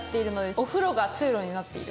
お風呂が通路になっている。